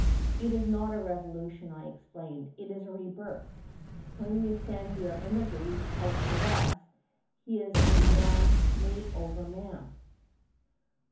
"It is not revolution," I explained. "It is rebirth! When you send your émigré out to us, he is a made over man."